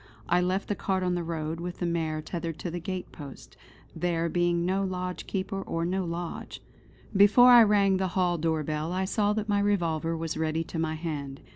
I left the cart on the road, with the mare tethered to the gate post, there being no lodgekeeper or no lodge. Before I rang the hall door bell I saw that my revolver was ready to my hand.